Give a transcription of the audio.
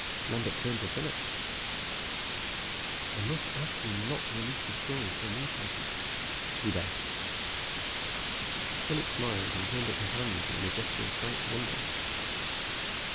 Lambert turned to Phillips. "I must ask you not to release this story to the newspapers," he begged. Phillips smiled and turned up his hands in a gesture of frank wonder.